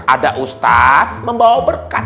ada ustad membawa berkat